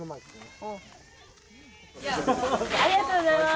ありがとうございます。